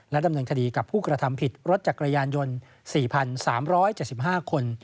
ดำเนินคดีกับผู้กระทำผิดรถจักรยานยนต์๔๓๗๕คน